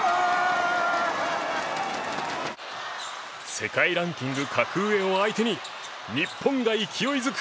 世界ランキング格上を相手に日本が勢いづく！